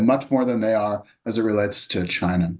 dan lebih banyak dari mereka dalam hal terkait dengan china